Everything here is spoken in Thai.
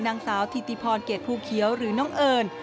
นางสาวถิติพรเกรดภูเขียวหรือน้องเอิญ